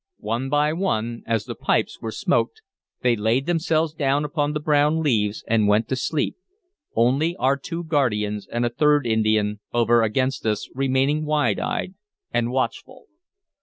One by one, as the pipes were smoked, they laid themselves down upon the brown leaves and went to sleep, only our two guardians and a third Indian over against us remaining wide eyed and watchful.